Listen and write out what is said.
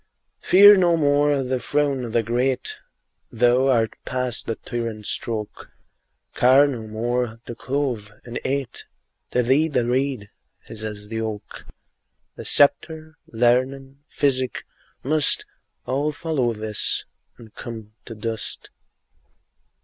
Fear no more the frown o' the great, Thou art past the tyrant's stroke; Care no more to clothe, and eat; To thee the reed is as the oak: The sceptre, learning, physic, must All follow this and come to dust.